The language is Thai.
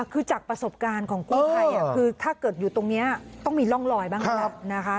คือจากประสบการณ์ของกู้ภัยคือถ้าเกิดอยู่ตรงนี้ต้องมีร่องลอยบ้างแล้วนะคะ